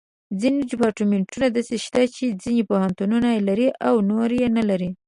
ځینې ډیپارټمنټونه داسې شته چې ځینې پوهنتونونه یې لري او نور یې نه لري.